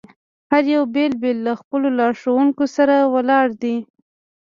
هر یو بېل بېل له خپلو لارښوونکو سره ولاړ دي.